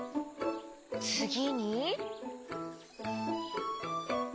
つぎに？